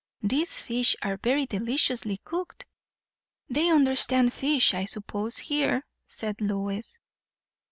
These fish are very deliciously cooked!" "They understand fish, I suppose, here," said Lois.